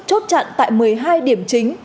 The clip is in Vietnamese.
chốt chặn tại một mươi hai điểm chính